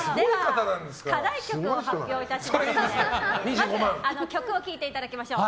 課題曲を発表いたしますので曲を聴いていただきましょう。